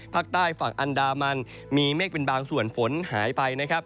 ภาคใต้ฝั่งอันดามันมีเมฆเป็นบางส่วนฝนหายไปนะครับ